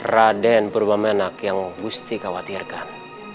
raden perubah menang yang gusti khawatirkan